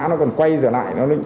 nó còn quay dở lại